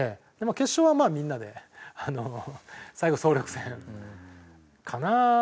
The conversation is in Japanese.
決勝はまあみんなで最後総力戦かなと思って。